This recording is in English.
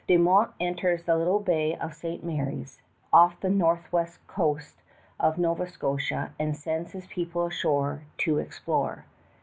De Monts enters the little bay of St. Mary's, off the northwest corner of Nova Scotia, and sends his people ashore to explore.